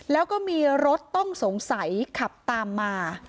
แล้วก็มีรถต้องสงสัยขับตามมา